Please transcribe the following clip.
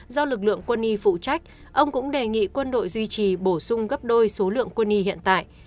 do lực lượng quân y phụ trách ông cũng đề nghị quân đội duy trì bổ sung gấp đôi số lượng quân y hiện tại